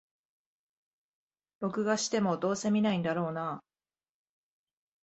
録画しても、どうせ観ないんだろうなあ